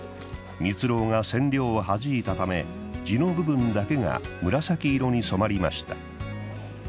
ミツロウが染料をはじいたため地の部分だけが紫色に染まりました。